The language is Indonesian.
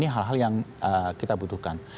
ini hal hal yang kita butuhkan